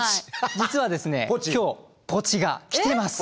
実はですね今日ポチが来てます。